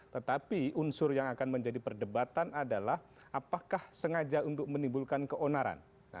tetapi unsur yang akan menjadi perdebatan adalah apakah sengaja untuk menimbulkan keonaran